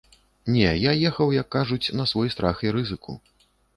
Не, я ехаў, як кажуць, на свой страх і рызыку.